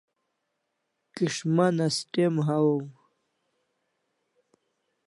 Kis'man as tem hawaw